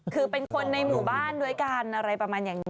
คือเป็นคนในหมู่บ้านด้วยกันอะไรประมาณอย่างนี้